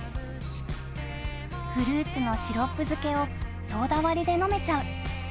フルーツのシロップ漬けをソーダ割りで飲めちゃう。